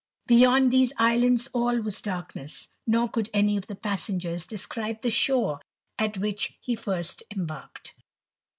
Beyond these islands all *U3 darkness, nor could any of the passengers describe ■*e shore at which he first embarked.